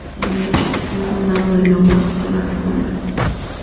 De hecho, un condado de Iowa lleva su nombre.